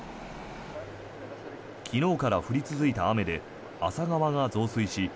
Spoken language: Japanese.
昨日から降り続いた雨で厚狭川が増水し